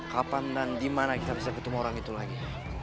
kapan dan dimana kita bisa ketemu orang itu lagi